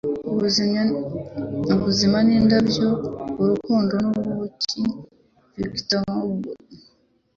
Ubuzima ni indabyo urukundo ni ubuki.” - Victor Hugo